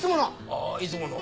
あぁいつもの。